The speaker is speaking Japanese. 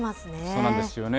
そうなんですよね。